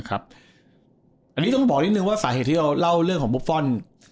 อันนี้ต้องบอกนิดนึงว่าสาเหตุที่เราเล่าเรื่องของบุฟฟอล